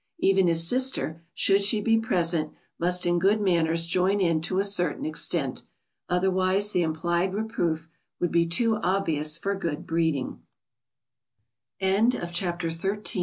Even his sister, should she be present, must in good manners join in to a certain extent. Otherwise the implied reproof would be too obvious for good breeding. AT LUNCH. Luncheon